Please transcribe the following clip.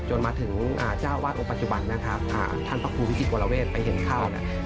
มาถึงเจ้าวาดองค์ปัจจุบันนะครับท่านพระครูพิจิตวรเวศไปเห็นเข้าเนี่ย